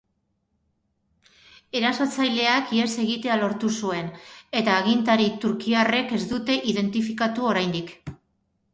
Erasotzaileak ihes egitea lortu zuen, eta agintari turkiarrek ez dute identifikatu oraindik.